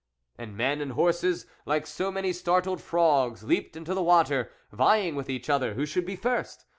" And men and horses, like so many startled frogs, leaped into the water, vying with each other who should be first.